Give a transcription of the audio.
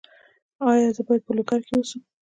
ایا زه باید په لوګر کې اوسم؟